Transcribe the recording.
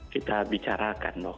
kita bicarakan loh